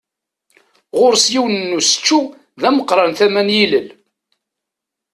Ɣur-s yiwen n usečču d ameqqṛan tama n yilel.